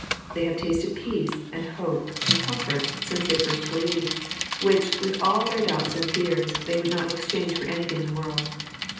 They have tasted peace, and hope, and comfort, since they first believed, which, with all their doubts and fears, they would not exchange for anything in this world.